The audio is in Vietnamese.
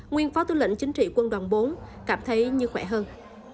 nguyên phó tư lệnh chính trị quân đoàn bốn cảm thấy như khỏe hơn